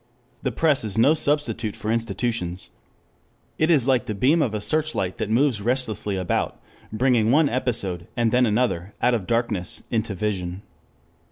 The press is no substitute for institutions. It is like the beam of a searchlight that moves restlessly about, bringing one episode and then another out of darkness into vision.